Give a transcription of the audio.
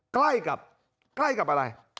ใกล้กับใกล้กับอะไร